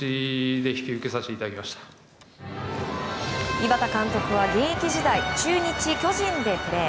井端監督は現役時代中日、巨人でプレー。